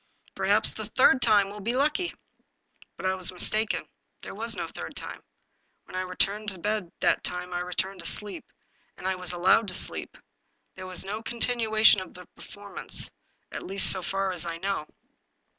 Perhaps the third time will be lucky." But I was mistaken — ^there was no third time. When I returned to bed that time I returned to sleep, and I was allowed to sleep; there was no continuation of the per formance, at least so far as I know.